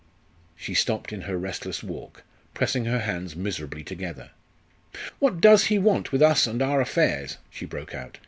She stopped in her restless walk, pressing her hands miserably together. "What does he want with us and our affairs?" she broke out.